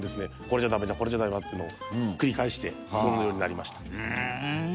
これじゃダメだこれじゃダメだっていうのを繰り返してこのようになりましたふん